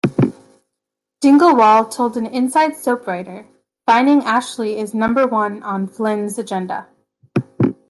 Dingle-Wall told an "Inside Soap" writer, "Finding Ashley is number one on Flynn's agenda.